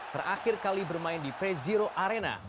terakhir kali bermain di prezero arena